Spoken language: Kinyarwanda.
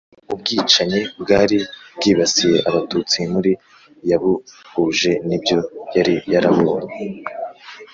Ubwicanyi bwari bwibasiye Abatutsi muri yabuhuje n ibyo yari yarabonye